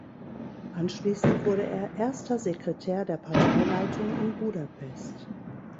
Anschließend wurde er Erster Sekretär der Parteileitung in Budapest.